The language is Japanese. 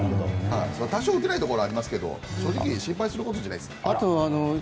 多少、出ないところもありますが心配することじゃないです。